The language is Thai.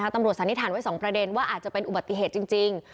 ตำรวจสันนิถานสองประเด็นว่าอาจจะเป็นอุบัติเหตุจริง